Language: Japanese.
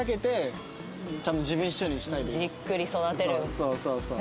そうそうそう。